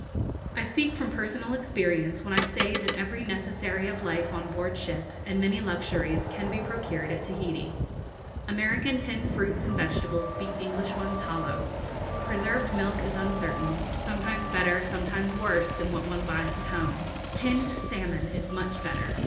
I speak from personal experience when I say that every necessary of life on board ship, and many luxuries, can be procured at Tahiti. American tinned fruits and vegetables beat English ones hollow. Preserved milk is uncertain sometimes better, sometimes worse, than what one buys at home. Tinned salmon is much better.